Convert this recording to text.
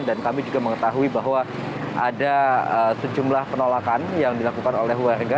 dan kami juga mengetahui bahwa ada sejumlah penolakan yang dilakukan oleh warga